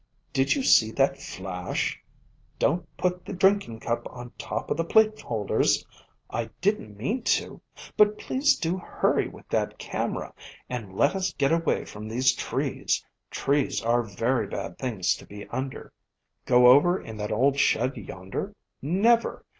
Did you see that flash? Don't put the drinking cup on top of the plate holders ?— I didn't mean to ; but please do hurry with that camera, and FLOWERS OF THE SUN 237 let us get away from these trees. Trees are very bad things to be under. Go over in that old shed yonder? Never!